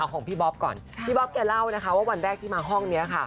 ของพี่บ๊อบก่อนพี่บ๊อบแกเล่านะคะว่าวันแรกที่มาห้องนี้ค่ะ